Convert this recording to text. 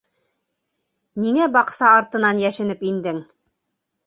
Ниңә баҡса артынан йәшенеп индең?